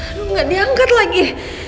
aduh gak diangkat lagi